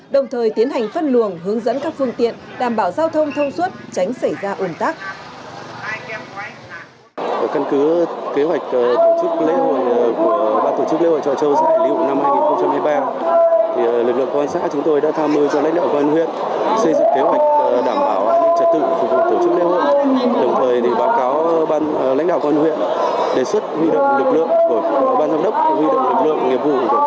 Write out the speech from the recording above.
đồng thời tiến hành phân luồng hướng dẫn các phương tiện đảm bảo giao thông thông suốt tránh xảy ra ồn tắc